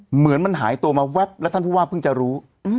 เหมือนมันหายตัวมาแล้วฉันเขียงว่าพึ่งจะรู้